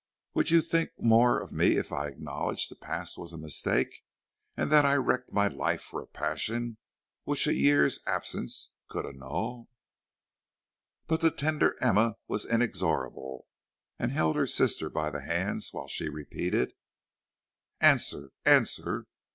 Would you think more of me if I acknowledged the past was a mistake, and that I wrecked my life for a passion which a year's absence could annul." But the tender Emma was inexorable, and held her sister by the hands while she repeated. "Answer, answer!